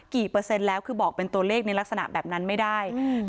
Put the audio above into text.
เปอร์เซ็นต์แล้วคือบอกเป็นตัวเลขในลักษณะแบบนั้นไม่ได้อืม